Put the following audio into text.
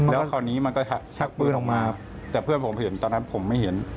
แล้วคราวนี้มันก็ชักปืนออกมาแต่เพื่อนผมเห็นตอนนั้นผมไม่เห็น